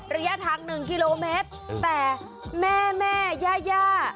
ระยะทาง๑กิโลเมตรแต่แม่แม่ย่า